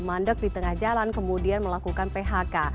mandek di tengah jalan kemudian melakukan phk